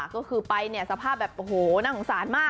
ก็คือไปเนี่ยสภาพแบบโอ้โหน่าสงสารมาก